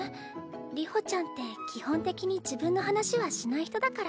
流星ちゃんって基本的に自分の話はしない人だから。